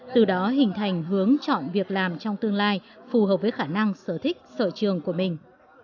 từ đó hình thành hướng chọn việc làm trong tương lai phù hợp với khả năng sở thích sở trường của mình